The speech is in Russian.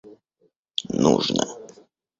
нужно